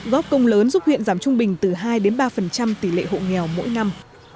góp công lớn giúp huyện giảm trung bình từ hai ba tỷ lệ hộ nghèo mỗi năm